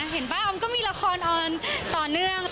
ป่ะออมก็มีละครออนต่อเนื่อง